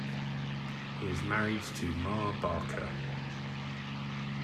He is married to Ma Barker.